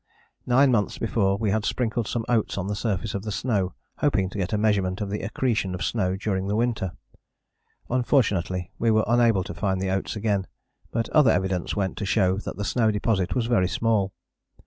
Nine months before we had sprinkled some oats on the surface of the snow hoping to get a measurement of the accretion of snow during the winter. Unfortunately we were unable to find the oats again, but other evidence went to show that the snow deposit was very small.